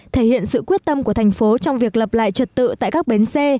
thể hiện sự quyết tâm của thành phố trong việc lập lại trật tự tại các bến xe